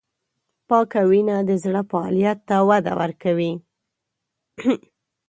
پاکه وینه د زړه فعالیت ته وده ورکوي.